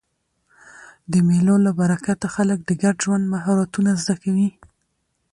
د مېلو له برکته خلک د ګډ ژوند مهارتونه زده کوي.